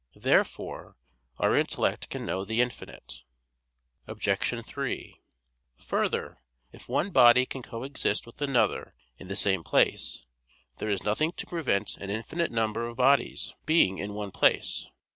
Therefore our intellect can know the infinite. Obj. 3: Further, if one body can coexist with another in the same place, there is nothing to prevent an infinite number of bodies being in one place.